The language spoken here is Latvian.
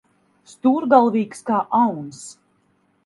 Stūrgalvīgs kā auns.